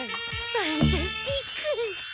ファンタスティック！